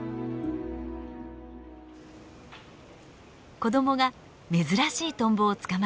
子どもが珍しいトンボを捕まえました。